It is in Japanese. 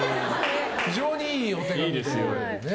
非常にいいお手紙です。